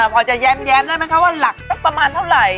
พอจะแย้มได้ไหมคะว่าหลักสักประมาณเท่าไหร่